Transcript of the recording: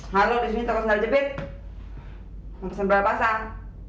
halo di sini toko senar jepit hai pesan berapa sang